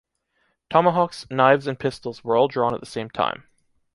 Tomahawks, knives and pistols were all drawn at the same time.